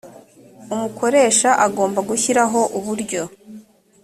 umukoresha agomba gushyiraho uburyo